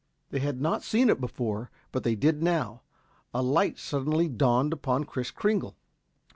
They had not seen it before, but they did now. A light suddenly dawned upon Kris Kringle.